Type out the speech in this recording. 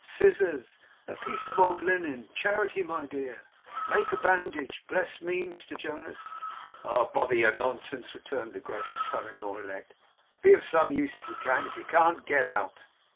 Scissors! A piece of old linen! Charity, my dear, make a bandage. Bless me, Mr Jonas!' 'Oh, bother YOUR nonsense,' returned the gracious son in law elect. 'Be of some use if you can. If you can't, get out!